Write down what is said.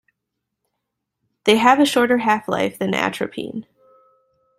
They have a shorter half-life than atropine.